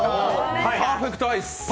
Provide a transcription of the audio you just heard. パーフェクトアイス。